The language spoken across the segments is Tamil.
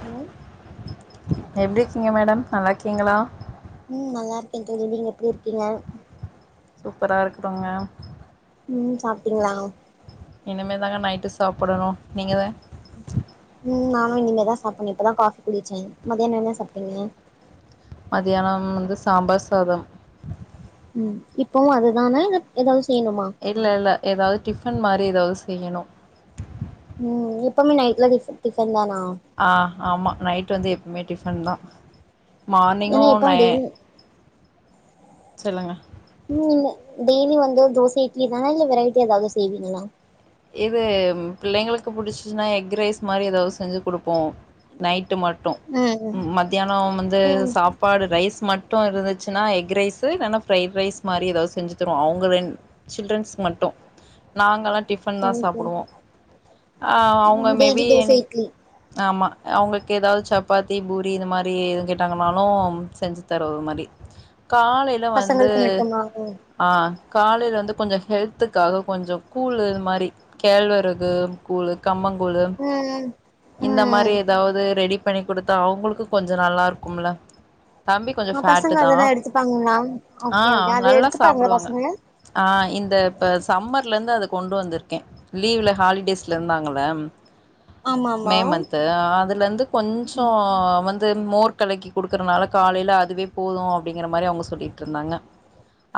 ஹலோ எப்படி கீங்க மேடம் நல்லா கீங்களா உம் நல்லா இருக்கேன் தோழி நீங்க எப்படி இருக்கீங்க சூப்பரா இருக்குறோங்க உம் சாப்ட்டீங்களா இனிமே தாங்க நைட்டு சாப்புடணும் நீங்க உம் உம் நானும் இனிமேதா சாப்புணும் இப்பதான் காஃபி குடிச்சேன் மதியானம் என்ன சாப்ட்டீங்க மதியானம் வந்து சாம்பார் சாதம் இப்பவும் அதுதானே இல்ல ஏதாவது செய்யணுமா இல்ல இல்ல ஏதாது டிஃபன் மாரி ஏதாவது செய்யணும் ம் எப்பவுமே நைட்ல டிஃப டிஃபன் தானா ஆமா நைட் வந்து எப்பவுமே டிஃபன் தா ஏன்னா மார்னிங்கும் நெ எப்பவு டெய்லி சொல்லுங்க னிங்கல டெய்லி வந்து தோச இட்லி தானா இல்ல வெரைட்டிஆ ஏதாவது செய்வீங்களா இது பிள்ளைங்களுக்கு புடிச்சுச்சுன்னா எக் ரைஸ் மாரி ஏதாவது செஞ்சு குடுப்போம் நைட்டு மட்டும் ம் மத்தியானம் வந்து ம் சாப்பாடு ரைஸ் மட்டும் டு இருந்துச்சுன்னா எக் ரைஸ் இல்ல பைட் ரைஸ் மாரி ஏதாவது செஞ்சு தருவோ அவங்க வென் சில்டரன்ஸ் மட்டும் நாங்கல்லா டி பன் தா சரி சரி சாப்புடுவோம் ஆ அவங்க ம் daily maybe dosa any idli ஆமா அவங்களுக்கு ஏதாவது சப்பாத்தி பூரி இந்த மரி எது கேட்டாங்கன்னாலும் செஞ்சு தரு மாரி காலையில வந்து பசங்களுக்கு மட்டுமா ஆ காலையில வந்து கொஞ்சோ ஹெல்த்துக்காக கொஞ்சோ கூழ் இது மாரி கேழ்வரகு கூலுக்கு கம்மங்கூழு ம் இந்த மாரி ம் ஏதாவது ரெடி பண்ணி கொடுத்தா அவங்களுக்கும் கொஞ்சோ நல்லா இருக்கும்ல தம்பி கொஞ்சோ ஆ ஃபேட்டு பசங்க தா அதெல்லா எடுத்துப்பாங்களா ஆ ஓகே ஓகே அது நல்லா எடுத்துப்பாங்களா சாப்புடுவாங்க பசங்க ஆ இந்த இப்ப சம்மர்ல இருந்து அது கொண்டு வந்திருக்கேன் லீவ்ல ஹாலிடேஸ்ல இருந்தாங்கள ஆமா மே ஆமா மன்த் ஆ அதுலந்து கொஞ்சோ வந்து மோர் கலக்கி கொடுக்கறனால காலையில அதுவே போதும் அப்டிங்கிற மாறி அவங்க சொல்லிட்டு இருந்தாங்க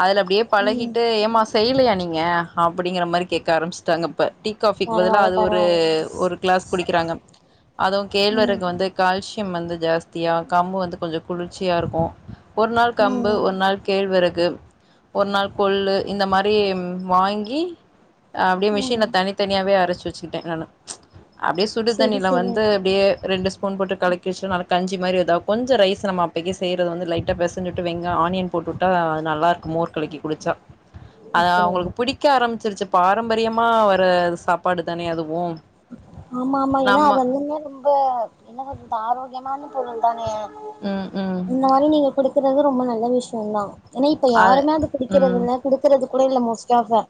அதுல அப்படியே ம் பழகிட்டு ஏமா செய்யலையா நீங்க அப்டிங்கிற மாறி கேட்க ஆரம்பிச்சு டாங்க இப்ப டீ காஃபிக்கு பதிலா பரவால்ல அது ஒரு பரவால்ல ஒரு கிளாஸ் குடிக்கிறாங்க அதுவு ம் கேழ்வரகு வந்து கால்ஷி யம் வந்து ஜாஸ்தியா கம்பு வந்து கொஞ்சம் குளிர்ச்சியா இருக்கும் ஒரு நாள் கம்பு ம் ஒரு நாள் கேழ்வர கு ஒரு நாள் கொள்ளு இந்த மாரி வாங்கி ஆஹ் ம் மிக்ஸில தனித்தனியாவே அரைச்சு வச்சுக்கிட்டேன் நானு அப்டியே செரி சுடுதண்ணியில செரி வந்து அப்டியே ரெண்டு ஸ்பூன் போட்டு கழக்கிவெச்சு கஞ்சி மாரி இதா கொஞ்ச ரைஸ் நம்ம அப்பைக்கே செய்யறது வந்து லைட்டா பெசஞ்சுட்டு வெங்கா ஆனியன் போட்டுட்டா அது நல்லாருக் கு மோர் கலக்கி குடிச்சா அத அப்படியா அவங்களுக்கு பிடிக்க ஆரம்பிச்சிருச்சு பாரம்பரியம் மா வர சாப்பாடு தானே அதுவு ஆமா ஆமா ஏன்னா அது நம்ம இன்னுமே ரொம்ப என்ன சொல்றது ஆரோக்கியமான பொருள்தானே ம் ம் இந்த மாரி நீங்க குடுக்கறது ரொம்ப நல்ல விஷயந்தா ஏன்னா இப்ப யாருமே அது குடிக்கிறது ம் இல்ல குடுக்கறது கூட இல்ல மோஸ் ட்டாக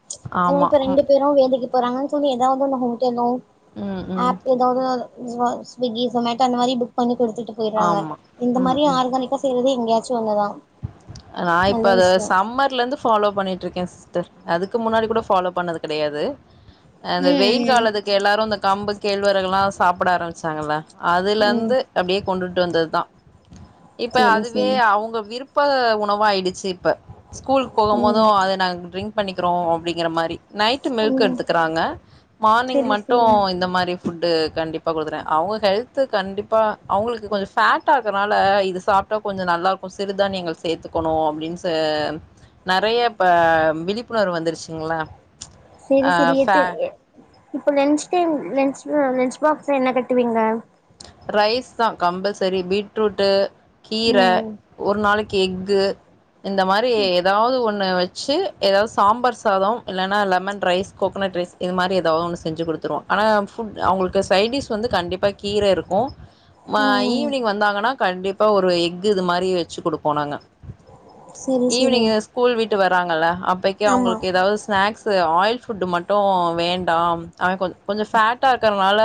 ஆமா இப்ப ம் ரெண்டு பேரு வேலைக்கு போறாங்கன் சொல்லி ஏதாவது ஒன்னு ஹோட்டெலோ ம் ம் ஆப் ஏதாவது அ ஸ்விக்கி ஜொமேட்டா அந்த மாரி புக் பண்ணி குடுத்துட்டு போயிடறாங்க ஆமா இந்த ம் மாரி ம் ஆர்கானிக்கா செய்யறது எங்கயாச்சு ஒன்னுதா நா இப்ப நல்ல அத விஷயோ சம்மர்ல இருந்து ஃபாலோ பண்ணிட்டு இருக்கே சிஸ் டர் அதுக்கு முன்னாடி கூட ஃபாலோ பண்ணது கெடையாது ஆ இந்த வெயில் ம் காலத்துக்கு எல்லாரு இந்த கம்பு கேழ்வரகெலா சாப்பட ஆரம்பிச்சாங்கல்ல ம் ம் அதுலருந்து அப்டியே கொண்டுட்டு வந்ததுதா இப்ப சேரி அதுவே சேரி அவுங்க விருப் ப உணவாயிடுச்சு இப்ப ஸ்கூல்க்கு போகும் போது ம் அது நாங்க ட்ரிங்க் பண்ணிக்கிறோ அப்டிங்கிற மாரி நைட்டு மில்க் ம் எடுத்துக்கறாங்க மார்னிங் செரி மட்டு செரி இந்த மாரி ஃபுட்டு கண்டிப்பா குடுக்கறே அவுங்க ஹெல்த் து கண்டிப்பா அவங்களுக்கு கொஞ்ச ஃபேட்டா இருக்கறனால இது சாப்ட்டா கொஞ்ச நல்லாக்கு சிறு தானியங்கள் சேத்துக்கணு அப்டின் சா நெறைய இப்ப விழிப்புணர்வு வந்துருச்சுங்ளா செரி செரி எது எ இப்போ லன்ச் டைம் லன்ச் லன்ச் பாக்ஸ்ல என்ன கட்டுவிங்க ரைஸ்தா கம்பல்சரி பீட்ரூட்டு கீர ம் ஒரு நாளைக் கு எக்கு இந்த மாரி எதாவது ஒண்ணு வச்சு ஏதாவது சாம்பார் சாதம் இல்லென்னா லெமன் ரைஸ் கோகனட் ரைஸ் இது மாரி ஏதாவது ஒண்ணு செஞ்சு கொடுத் ஆனா ஃபுட் அவுங்களுக்கு சைடிஸ் வந்து கண்டிப்பா கீரை இருக்கும் ம ம் ஈவினிங் வந்தாங்கன்னா கண்டிப் பா ஒரு எஃகு இது மாறி வச்சு கொடுப்போ நாங்க செரி செரி ஈவினிங் ஸ்கூல் விட்டு வர வராங்கள அப்போக்கி ஆமா அவங்களுக்கு ஏதாவது ஸ்நாக்ஸு ஆயில் ஃபுட்டு் மட்டும் வேண்டாம் அ கொஞ்ச கொஞ்சம் ஃபேட்டா இருக்கறனால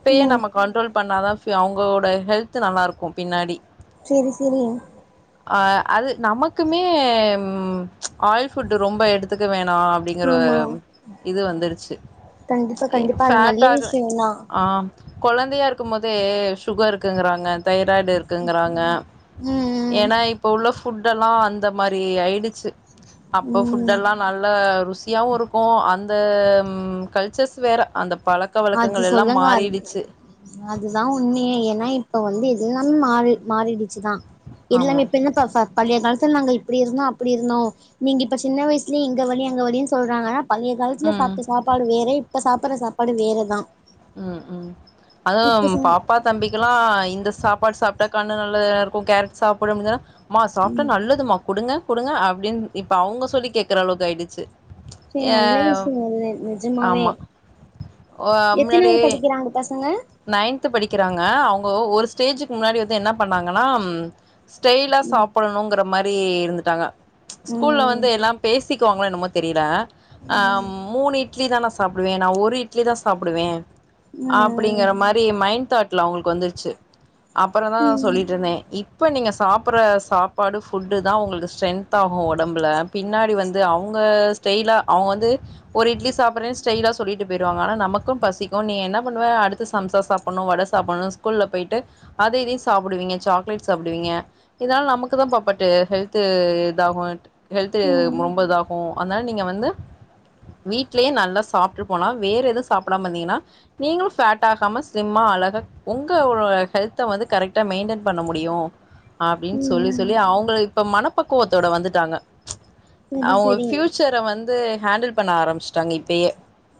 இப்பயே ம் நம்ம கண்ட்ரோல் பண்ணாதா அவங்களோட ஹெல்த் நல்லா இருக்கும் பின்னாடி தெரியும் அது நமக்குமே ஆயில் ஃபுட்டு ரொம்ப எடுத்துக்க வேண் நா அப்படிங்கற ஆமா இது வந்துருச்சு கண்டிப்பா ம்ச் கண்டிப்பா அது நல்ல ஃபேட்டாக விஷயந்தா ஆம் கொழந்தையா இருக்கும் போதே சுகர் இருக்குங்கறாங்க தயி தைராய்டு இருக்குங்கறாங்க ம் ஏன்னா இப்ப உள்ள ஃபுட்டெலாம் அந்த மாதி றி ஆயிடுச்சு அப்ப ம் ம் ஃபுட்டெலாம் நல்ல ருசியாவு இருக்கும் அந் த ம்ம் கல்ச்சர்ஸ் வேற அந்த பழக்க அது வழக்கங்கள் எல்லாம் சொல்லுங்க அது மாறிடுச் அதுதா உண்மையே ஏன்னா இப்ப வந்து எல்லாம் மாறி மாறிடுச் தான் ஆமா எல்லாமே இப்ப எங்கேப்பா பழைய காலத்து நாங்க இப்படி இருந்தோம் அப்படி இருந்தோம் நீங்க இப்ப சின்ன வயசுலயே இங்க வலி அங்க வலி சொல்றாங்க பழைய காலத்துல ம் சாப்பிட்ட சாப்பாடு வேற இப்ப சாப்பிடுற சாப்பாடு வேறதான் உம் உம் அதுவும் பாப்பா தம்பிக்கெல்லாம் இந்த சாப்பாடு சாப்ப இந்த கண்ணு நல்லதா இருக்கும் கேரட் சாப்பிடுங்க மா ம் சாப்பிட்டா நல்லதும்மா கொடுங்க கொடுங்க அப்படின்னு இப்ப அவங்க சொல்லி கேக்குற அளவுக்கு ஆயிடுச்சு சரி ஏ நல்ல விஷயம் நிஜமாவே ஆமா ஆ முன்னாடி எத்தனாவது படிக்கிறாங்க பசங்க நைன்த்து படிக்கிறாங்க அவ்ங்க ஒரு ஸ்டேஜக்கு முன்னாடி வந்து என்ன பண்ணாங்கனா ம் ஸ்டைலா ம் சாப்புடணுங்கிற மாரி இருந்துட்டாங்க ஸ்கூல்ல வந்து ம் எல்லா பேசி சிக்குவாங்களா என்னமோ தெரியல ஆ மூணு இட்லி தா நா சாப்டுவே நா ஒரு இட் இட்லி தா சாப்டுவே ம் அப்டிங்கற மாரி மைண்ட் தாட்ல அவ்ங்களுக்கு வந்துருச்சு அப்பற தா ம் சொல்லிட்டு இருந்தே இ இப்ப நீங்க சாப்புற சாப்பாடு ஃபுட்டு தா உங்களுக்கு ஸ்ட்ரென்த் ஆகு ஒடம்புல பின்னாடி வந்து அவ்ங்க அ ஸ்டைலா அவ்ங்க வந்து ஒரு இட்லி சாப்புட்றே ஸ்டைலா சொல்லிட்டு போய்ருவாங்க ஆனா நமக்கு பசிக்கு நீ என்ன ன்ன பண்ணுவ அடுத் த்து சம்சா சாப்புட்ணு வட சாப்புட்ணு ஸ்கூல்ல போயிட்டு அத இதையு சாப்புடுவீங்க சாக்லேட் சாப்டுவீங்க இதுனால நமக்கு தா பாப்பாட்டு ஹெல்த்து இதாகு ஹெல்த்து ம் ரொம்ப இதாகு அதனால நீங்க வந்து வீட்லே நல்லா சாப்ட்டு போனா வேறெது சாப்டாம இருதீங்கனா நீங்களு ஃபேட் டாகாம ஸ்லிம்மா அழகா உங்கவ் ஹெல்த்த வந்து கரெக்டா மெயின்டென் பண்ண முடியு அப்டின் ம் சொல்லி ம் சொல்லி அவ்ங்கள இப்ப மனப்பக்குவத்தோட வந்துட்டாங்க சரி அவ்ங்க சரி ஃப்யூச்சர வந்து ஹேண்டில் பண்ண ஆரம்ச்சு டாங்க இப்பயே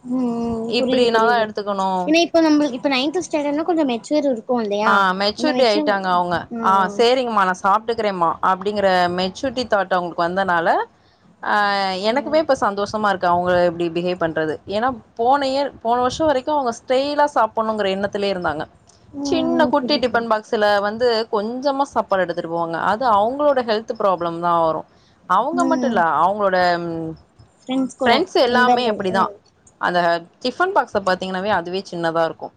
ம் இப்டி புரியுது நாதா புரியுது எடுத்துக்கணு ஏன்னா இப்ப நம்மளுக் இப்ப நைன்த்து ஸ்டாண்டர்ட்னா கொஞ்ச மெச்சூர் இருக்கு இல்லையா ஆ இந்த மெச்சூரிட்டி மெச்சூர் ஓ சாப்ட்டுக்கிறேமா அப்டிங்குற மெச்சூரிட்டி தாட் அவ்ங்களுக்கு வந்தனால ஆ எனக்குமே ம் இப்ப சந்தோசமா இருக்கு அவ்ங்கள இப்டி பிஹேவ் பண்றது ஏனா போன இயர் போன வர்ஷ வரைக்கு அவ்ங்க ஸ்டைலா சாப்புட்ணுங்கிற எண்ணத்துலே இருந்தாங்க சின்ன ம் குட்டி புரியுது டிப்பன் பாக்ஸுல வந்து கொஞ் சமா சாப்பாடு எடுத்துட்டு போவாங்க அது அவுங்களோட ஹெல்த் தத்து ப்ராப்ளம் தா வரு அவ்ங்க ம் மட்டுல்ல அவ்ங்களோட ஃப்ரெண்ட்ஸ் எல்லாமே நண்பர்கள் அப்டி தா அந்த டிஃபன் பாக்ஸ பாத்தீங்கனாவே அதுவே சின்னதா இருக்கு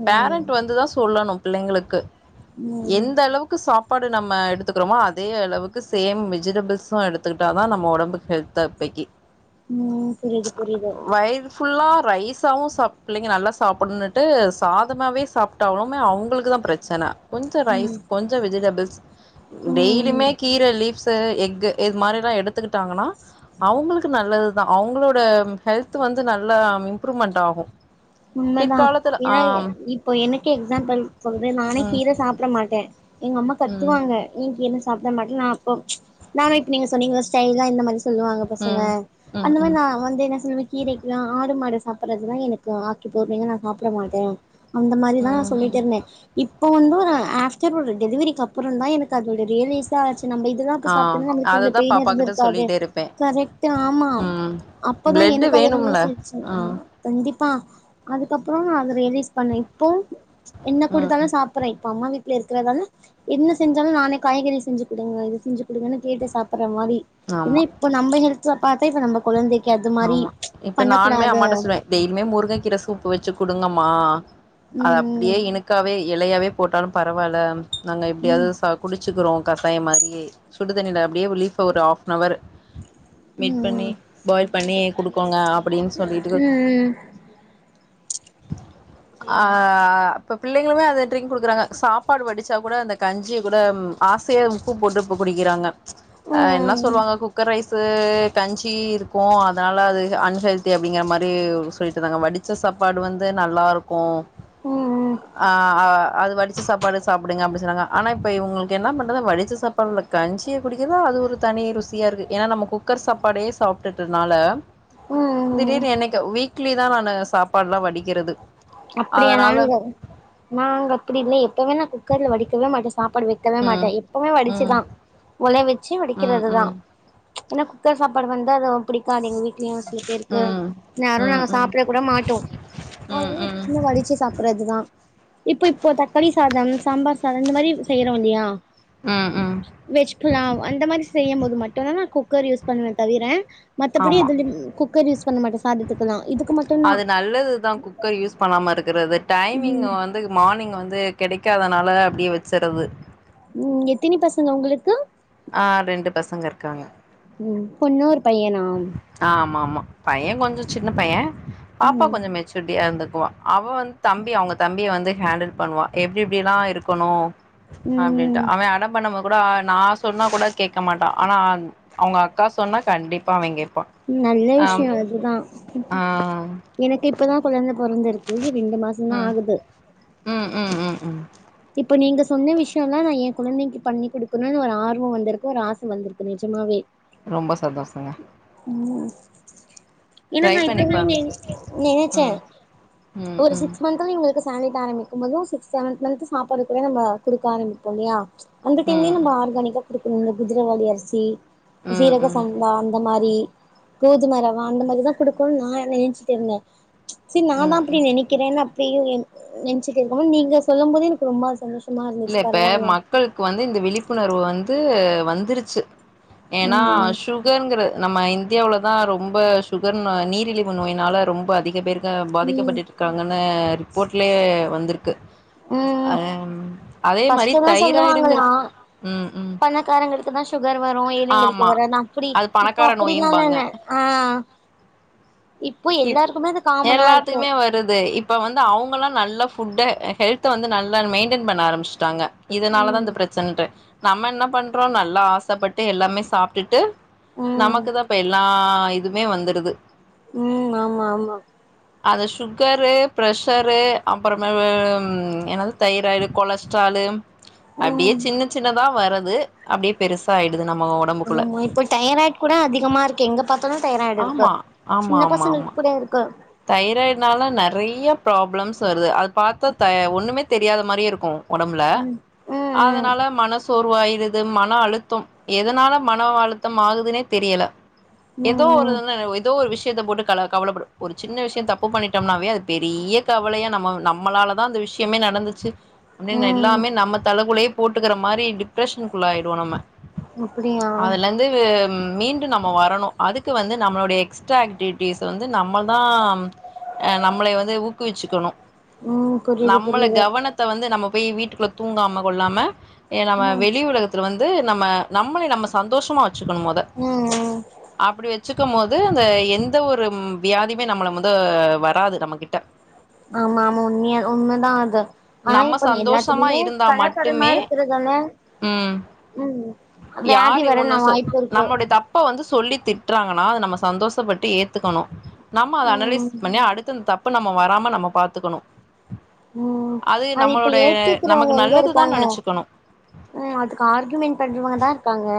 ம் பேரண்ட் வந்துதா சொல்லணு பிள்ளைங்களுக்கு ம் ம் எந்த அளவுக்கு சாப் ப்பாடு நம்ம எடுத்துக்கிறோமோ அதே அளவுக்கு சேம் வெஜிடபிள்ஸு எடுத்துக்கிட்டா தா நம்ம ஒடம்பு ஹெல்த்தா பேய் இக்கி ம் புரியுது புரியுது ரைஸ்சாவு சாப் பிள்ளைங்க நல்லா சா சாப்புட்னுட்டு சாதமாவே சாப்ட்டாலுமே அவ்ங்களுக்குதா பிரச்சன கொஞ்ச ரைஸ் கொஞ்ச வெஜிடபிள்ஸ் ம் டெய்லியுமே கீர லீஃப்ஸ் ஸு எக்கு இது மாரிலா எடுத்துக்கிட்டாங்கனா அவ்ங்களுக்கு நல்லது துதா அவ்ங்களோட ஹெல்த்து வந்து நல்லா இம்ப்ரூவ்மெண்ட் ஆகு உண்மதா ஏனா இப்போ எனக்கே எக்ஸாம்பிள் சொல்றே நானே ம் கீர சாப்ட மாட்டே எங்க அம்மா ம் கத்துவாங்க நீ கீர சாப்ட மாட்ற நா அப்போ நா இப்ப நீங்க சொன்னீங்க ஸ்டைலா இந்த மாரி சொல்லுவாங்க பசங்க ம் ம் அந்த மாரி ம் நா வந்து என்ன சொல்லுவே கீரைக்குலா ஆடு மாடு சாப்பிட்றதுலா எனக் கு ஆக்கி போட்றிங்க நா சாப்ட மாட்டே அந்த மாரிதா நா ம் ம் சொல்லிட்ருந்தே இப் ப்போ வந்தொரு ஆஃப்டர் ஒரு டெலிவரிக்கு அப்பறந் தா எனக்கு அதோட ரியலேஸ்ட்டா ஆச்சு நம்ப இதெல்லா அப்ப ஆ சாப்ட்ருந்தா நம்மளுக்கு கொஞ்ச அததா பெயின் பாப்பா கிட்ட இருந்துருக்காதே சொல்லிட்டே இருப்பே கரெக்ட்டு ஆமா ம் அப்பதா பிளட்டு எனக்கு அது வேணும்ல ரியலேஸ் ஆச்சு ஆ ம் கண்டிப் பா அதுக்கப்றோ நா அத ரியலேஸ் பண்ணே இப்போ என்ன ம் குடுத்தாலு சாப்புட்றே இப்ப அம்மா வீட் ல இருக்கிறதால என்ன செஞ்சாலு நானே காய்கறி செஞ்சு குடுங்க இது செஞ்சு குடுங்கனு கேட்டு சாப்புட் ற மாரி ஏனா ஆமா இப்ப நம்ம ஹெல்த்ல பாத்தே இப்ப நம்ப கொழந்தைக் ஆமா இப்ப நானுமே அம்மாட்ட சொல்லுவே டெய்லியுமே முருங்கக் கீர சூப்பு வச்சு குடுங்கமா அத ம் அப்டியே இனுக்காவே எலையாவே போட்டாலு பரவால்ல நாங்க எப்டியாவ்து ம் சா குடிச்சுக்கிறோ கசாய மாதிரியே சுடுதண்ணில அப்டியே ஒரு லீஃப ஒரு ஆஃபன் அவரு மிட் பண்ணி ம் ம் பாயில் பண்ணி குடுக்கோங்க அப் ம் ம் சரி ஆ அப்ப பிள்ளைங்களுமே அந்த ட்ரிங்க் குடுக்குறாங்க சாப்பாடு வடிச்சா கூட அந்த கஞ்சியை கூட ஆசையா உப்பு போட்டு இப்ப குடிக்கிறாங்க அ என்ன ம் சொல்லுவாங்க குக்கர் ரைஸு கஞ்சி இரு இருக்கு அதனால அது அன்ஹெல்தி அப்படிங்கிற மாதிரி சொல்லிட்டுருந்தாங்க வடிச்ச சாப்பாடு வந்து நல்லாயிருக்கு ம் ம் ம் ஆ அது வடிச்சு சாப்பாடு சாப்பிடுங்க அப்படின்னு சொன்னாங்க ஆனா இப்ப இவங்களுக்கு என்ன பண்றது வடிச்ச சாப்பாடுல கஞ்சிய குடிக்குறதே அது ஒரு தனி ருசியா இருக்கு ஏன்னா நம்ம குக்கர் குக்கர் சாப்பாடே சாப்ட்டு அதனால ம் ம் திடீர்னு என்னைக்கு வீக்லி தான் நானு சாப்பாடுல்லா வடிக்கிறது அப்படியா அதனால நாங்க நாங்க அப்படி இல்லை எப்பவே நான் குக்கர்ல வடிக்கவே மாட்டேன் சாப்பாடு வைக்கவே மாட்டே ம் எப்பவுமே ம் வடிச்சுதான் உழ வச்சு ம் ம் வடிக்கிறதுதா ம் ஏன்னா குக்கர் சாப்பாடு வந்து அந்தது புடிக்காது எங்க வீட்டு அ சில பேருக்கு ம் ம் நேரம் நாங்க ம் சாப்பிட கூட மாட்டோ ம் சாப்பிடுறதுதான் இப்ப இப்போ தக்காளி சாதம் சாம்பார் சாதம் இந்த மாதிரி செய்யறோ இல்லையா ம் ம் வெஜ் புலாவ் அந்த மாரி செய்யும் போது மட்டும்தான் குக்கர் யூஸ் பண்ணுவன் தவிர ஆமா மத்தபடிது குக்கர் யூஸ் பண்ண மாட்டே சாதத்துக்கலா இதுக்கு மட்டு அது நல்லதுதான் குக்கர் யூஸ் பண்ணாம இருக்றது டைமிங் ம் வந்து மார்னிங் வந்து கிடைக்காதுனால அப்படியே வச்சுறது ம் எத்தனி பசங்க உங்களுக்கு ஆ ரெண்டு பசங்க இருக்காங்க ம் பொண்ணு ஒரு பையனா ஆ ஆமா ஆமா பைய கொஞ்ச சின்ன பைய பாப்பா ம் கொஞ்ச மெச்சூருட்டியா இருந்த அவ வந்து தம்பி அவங்க தம்பிய வந்து ஹேண்டில் பண்ணுவா எப்படி எப்படி எல்லா இருக்கணு அப்படின்ட்டு ம் அவன் அடம் பண்ணும்போது கூட நான் சொன்னா கூட கேட்க மாட்டா ஆனா அவங்க அக்கா சொன்னா கண்டிப்பா அவ கேப்பா நல்ல விஷயம் அதுதான் ஆ எனக்கு இப்பதான் குழந்த பொற பிறந்திருக்கு ரெண்டு மாசம் தான் ம் ஆகுது ம் ம் ம் ம் இப்ப நீங்க சொன்ன விஷயம்ல்லா நா எப் குழந்தைக்கு பண்ணி குடுக்கணும்னு ஒரு ஆர்வம் வந்திருக்கு ஒரு ஆசை வந்திருக்கு நிஜமாவே ரொம்ப சந்தோஷங்க ட்ரை ஏனன்னா இப்ப பண்ணி பாருங்க. நினைச்சே ம் ம் ஒரு ம் சிக்ஸ் மந்த்ல இவங்களுக்கு சாலிட் ஆரம்பிக்கும் போதும் சிக்ஸ் செவன் மந்த்த் சாப்பாடு கூட நம்ம கொடுக்க ஆரம்புப்போம் இல்லையா அந்த டைம்லயே ம் நம்ம ஆர்கானிக்கா கொடுக்கணும் இந்த குதிரைவாளி அரிசி ம் சீரக ம் சம்பா அந்த மாரி கோதும ரவா அந்த மாதிரிதா கொடுக்கணும்னு நான் என்ன நினைச்சிட்டு இருந்தே சரி நா தா ம் ம். நினைக்கிறேன்ன அப்படியும் நினச்சட்டு இருக்கும் நீங்க சொல்லும்போது எனக்கு ரொம்ப சந்தோஷம் இல்ல இப்ப மக்களுக்கு வந்து இந்த விழிப்புணர்வு வந்து வந்துருச்சு ஏன்னா ம் சுகர்ங்கற மைண்ட் இந்தியாவில தான் ரொம்ப சுகர்னால நீரிழிவு நோயினால ரொம்ப அதிக பேர் ம் பாதிக்கப்பட்டு இருக்காங்கன்னு ரிப்போர்ட்லேயே வந்திருக்கு ஆ பஸ்ட் தான் சொல்லுவாங்களா ம் ம் பணக்காரங்களுக்கு தான் சுகர் வரும் ஏழைங்களுக்கு ஆமா வராதுன்னு அப்படி அது இப்ப பணக்கார அப்படிலான்லா நோயும்பாங்க என்ன ஆ இப்போ இப் எல்லாருக்குமே அது காமன் எல்லாத்துக்குமே வருது இப்ப வந்து அவங்கல்லா நல்ல ஃபுட்ட ஹெல்த வந்து நல்லா மெயின்டெயன் பண்ண ஆரம்பிச்சுட்டாங்க இதனாலதான் ம் இந்த பிரச்சனைட்டு நம்ம என்ன பண்றோம் நல்லா ஆசைப்பட்டு எல்லாமே சாப்ட்டுட்டு ம் நமக்கு தான் இப்ப எல்லா இதுமே வந்துடுது ம் ஆமா ஆமா. அது சுகரு ப்ரஸ்ஷரு அப்புறமே என்னது தைராய்டு கொலஸ்ட்ரால் [inaudible] அப்டியே ம் சின்ன சின்னதா வரது அப்டியே பெருசா ஆய் ஆமா இப்போ டைராய்டு கூட அதிகமா இருக்கு எங்க பாத்தாலு தைராய்டு இருக்கு ஆமா ஆமா சின்ன ஆமா ஆமா பசங்களுக்கு கூட இருக்கு தைராய்டுனால நறைய ப்ராப்ளம்ஸ் வருது அது பாத்தா தை ஒண்ணமே தெரியாத மாரியே இருக்கு ஒடம்புல ம் ம் அதனால மனசோ ரு ஆயிடுது மன அழுத்தோ எதனால மன அழுத்த ஆகுதுன்னே தெரியில ஏதோ ஒரு ம் [inaudible] ஏதோ ஒரு விஷ்யத்த போட்டு கல கவலப்படு ஒரு சின்ன விஷ்ய தப்பு பண்ணிட்டோம்னாவே அது பெரிய கவலயா நம்ம நம்மளாலதா அந்த விஷ்யமே நடந்துச்சு அப்டின்னு ம் எல்லாமே நம்ம தலைகுள்ளயே போட்டுக்கிற மாரி டிப்ரெஷனுக்குள்ள ஆயிடுவ நம்ம அப்டியா அதுலெருந்து ம் மீண்டு நம்ம வரணு அதுக்கு வந்து நம்மளுடைய எக்ஸ்ட்ரா ஆக்டிவிட்டிஸ் வந்து நம்ம தா அ நம்மளை வந்து ஊக்குவிச்சுக்கணு ம் புரியுது நம்மள புரியுது கவனத்த வந்து நம்ம போய் வீட்டுக்குள்ள தூங்காம கொள்ளாம நம்ம ம் வெளி உலகத்துல வந் து நம்ம நம்மளை நம்ம சந்தோஷமா வச்சுக்கணு மொத ம் ம் அப்டி வச்சுக் ருக்க போது அந்த எந்த ஒரு வியாதிமே நம்மள முத வராது நம்ம கிட்ட ஆமா ஆமா உண்மிய உண்மதா அது ஆனா நம்ம இப்ப இந்த சந்தோஷமா எல்லாத்திலிமே இருந்தா கலப்படமா மட்டுமே இருக்கறதால ம் ம் வியாதி யாரு வர ஒண்ணு நா சொ வாய்ப்பு இருக்கு நம்மடய தப்ப வந்து சொல்லி திட் ட்றாங்கன்னா நம்ம சந்தோஷப்பட்டு ஏத்துக்கணு நம்ம அத அனலைஸ் ம் பண்ணி அடுத்து இந்த தப் ப நம்ம வராம நம்ம பாத்துக்கணு ம் அது இப்ப நம்மளுடைய நமக்கு ஏத்துக்கறவங்க எங்க நல்லதுதா இருக்காங்க நெனச்சுக்கணு ம் அதுக்கு ஆர்க்யூமென்ட் பண்றவங்க தா இருக்காங்க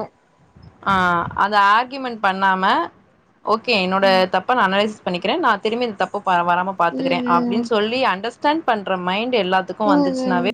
ஆ அந்த ஆர்க்யூமென்ட் பண்ணாம ஓகே என்னோட தப்ப நா அனலைஸ் பண்ணிக்கிறே நா திரும்பி இந்த தப்பு ப வராம பாத்துக்கிறே ம் அப்டின்னு சொல்லி அண்டர்ஸ்டாண்ட் பண்ற மைண்ட் எல்லாத்துக்கு ம் ம் வந்துச்சுனாவே ம்